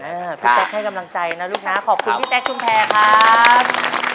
พี่แจ๊กให้กำลังใจนะลูกนะขอบคุณพี่แจ๊คชุมแพรครับ